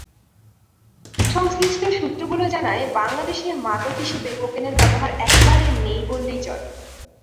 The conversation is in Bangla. সংশ্লিষ্ট সূত্রগুলো জানায়, বাংলাদেশে মাদক হিসেবে কোকেনের ব্যবহার একেবারে নেই বললেই চলে।